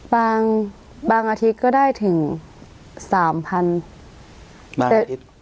บางบางอาทิตย์ก็ได้ถึงสามพันบางอาทิตย์